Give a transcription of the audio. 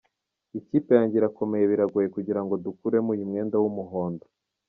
Ikipe yanjye irakomeye biragoye kugira ngo dukuremo uyu mwenda w’umuhondo.